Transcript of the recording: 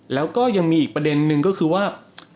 แล้วก็ยังมีอีกประเด็นนึงก็คือว่า